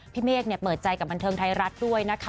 เมฆเปิดใจกับบันเทิงไทยรัฐด้วยนะคะ